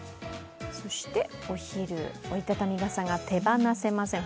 そして、お昼折りたたみ傘が手放せません。